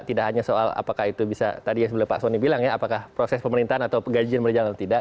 tidak hanya soal apakah itu bisa tadi pak soni bilang ya apakah proses pemerintahan atau pegajian berjalan atau tidak